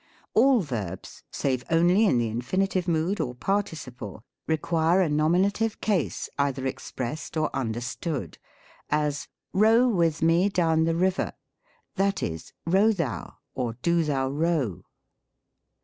All verbs, save only in the infinitive mood or parti ciple, require a nominative ease either expressed or understood : as, " Row with me down the river," that is "Row thou, or do thou row."